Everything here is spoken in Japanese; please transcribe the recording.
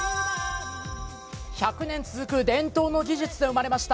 １００年続く伝統の技術で生まれました